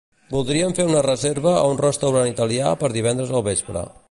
Voldríem fer una reserva a un restaurant italià per divendres al vespre.